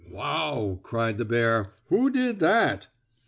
"Wow!" cried the bear. "Who did that?"